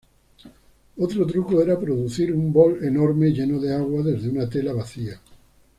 Otro truco era producir un bol enorme, lleno de agua, desde una tela vacía.